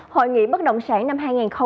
hội nghị bất động sản năm hai nghìn một mươi chín